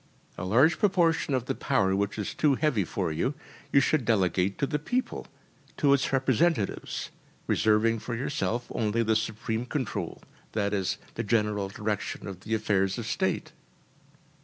A large proportion of the power which is too heavy for you, you should delegate to the people, to its representatives, reserving for yourself only the supreme control, that is, the general direction of the affairs of State.